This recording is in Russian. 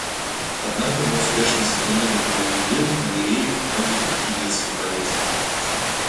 Однако мы успешно искоренили полиомиелит, малярию и многие другие детские болезни.